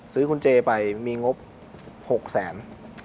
ซื้อคุณเจไปมีงบ๖๐๐๐๐๐บาท